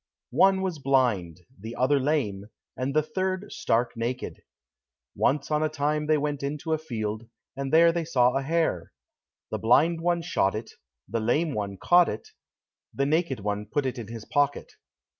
One was blind, the other lame, and the third stark naked. Once on a time they went into a field, and there they saw a hare. The blind one shot it, the lame one caught it, the naked one put it in his pocket.